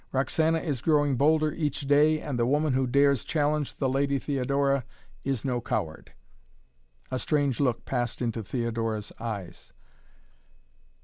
Roxana is growing bolder each day and the woman who dares challenge the Lady Theodora is no coward." A strange look passed into Theodora's eyes.